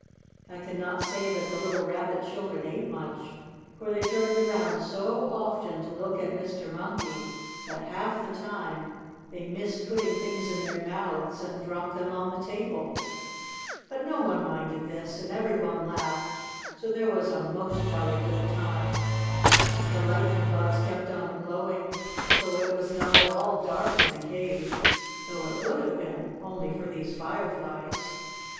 I can not say that the little Rabbit children ate much, for they turned around so often to look at Mr. Monkey, that, half the time, they missed putting things in their mouths and dropped them on the table. But no one minded this, and every one laughed, so there was a most jolly good time. The lightning bugs kept on glowing, so it was not at all dark in the cave, though it would have been only for these fireflies.